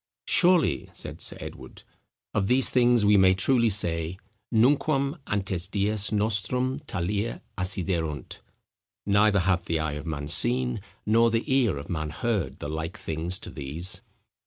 "Surely," said Sir Edward, "of these things we may truly say, Nunquam ante dies nostros talia acciderunt, neither hath the eye of man seen, nor the ear of man heard, the like things to these."